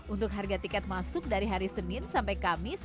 untuk harga tiket masuk dari hari senin sampai kamis